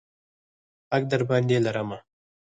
حق درباندې لرمه.